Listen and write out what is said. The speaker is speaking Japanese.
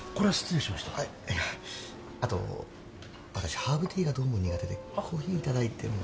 あと私ハーブティーがどうも苦手でコーヒー頂いても。